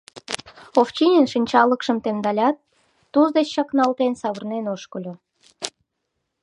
Овчинин шинчалыкшым темдалят, Туз деч чакналтен, савырнен ошкыльо.